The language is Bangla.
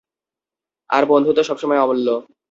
আর বন্ধুত্ব সব সময় অমূল্য।